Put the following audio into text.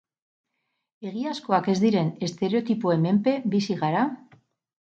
Egiazkoak ez diren estereotipoen menpe bizi gara?